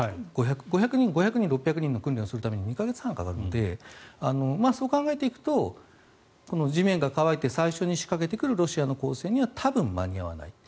５００人、６００人の訓練をするために２か月半かかるのでそう考えていくと地面が乾いて最初に仕掛けてくるロシアの攻勢には多分、間に合わない。